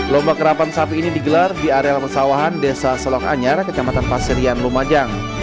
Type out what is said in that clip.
lomba karapan sapi ini digelar di areal persawahan desa selokanyar kecamatan pasirian lumajang